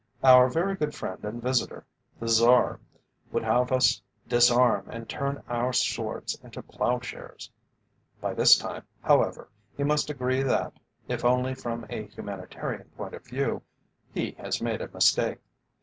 Our very good friend and visitor, the Czar, would have us disarm and turn our swords into ploughshares. By this time, however, he must agree that, if only from a humanitarian point of view, he has made a mistake.